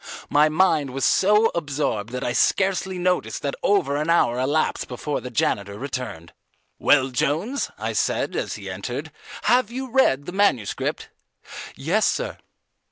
My mind was so absorbed that I scarcely noticed that over an hour elapsed before the janitor returned. "Well, Jones," I said as he entered, "have you read that manuscript?" "Yes, sir."